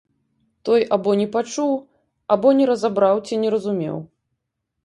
Той або не пачуў, або не разабраў ці не разумеў.